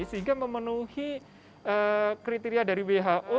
sehingga memenuhi kriteria dari who